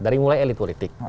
dari mulai elit politik